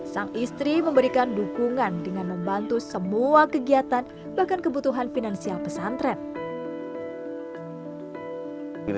sang istri memberikan dukungan dengan membantu semua kegiatan bahkan kebutuhan finansial pesantren